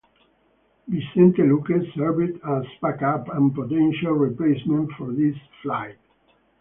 Vicente Luque served as backup and potential replacement for this fight.